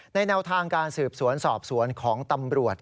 แนวทางการสืบสวนสอบสวนของตำรวจ